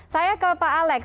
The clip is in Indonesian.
saya ke pak alex